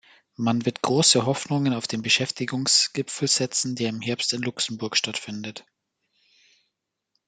Man wird große Hoffnungen auf den Beschäftigungsgipfel setzen, der im Herbst in Luxemburg stattfindet.